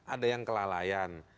ada yang kelalaian